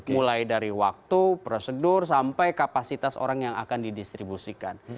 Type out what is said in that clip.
mulai dari waktu prosedur sampai kapasitas orang yang akan didistribusikan